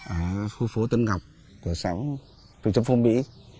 ở khu phố tân ngọc cửa sáu tùy trong phương mỹ